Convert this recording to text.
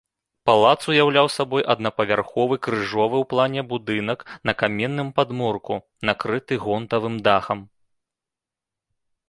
Палац уяўляў сабой аднапавярховы крыжовы ў плане будынак на каменным падмурку, накрыты гонтавым дахам.